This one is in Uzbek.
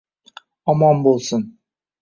Omon bo’lsin